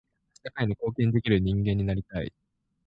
社会に貢献できる人間になりたい。